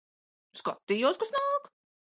Skatījos, kas nāk.